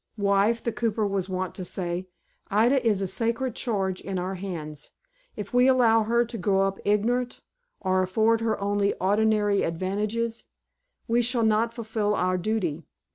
"Wife," the cooper was wont to say, "Ida is a sacred charge in our hands. If we allow her to grow up ignorant, or afford her only ordinary advantages, we shall not fulfil our duty.